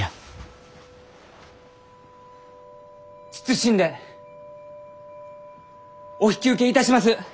謹んでお引き受けいたします！